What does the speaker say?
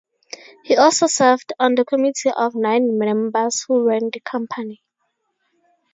He also served on the Committee of nine members who ran the company.